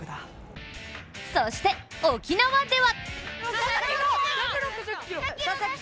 そして、沖縄では！